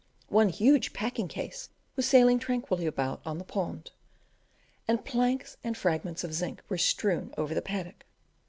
One huge packing case was sailing tranquilly about on the pond, and planks and fragments of zinc were strewn over the paddock.